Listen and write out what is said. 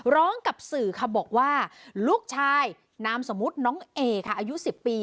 ร้องกับสื่อค่ะบอกว่าลูกชายนามสมมุติน้องเอค่ะอายุ๑๐ปี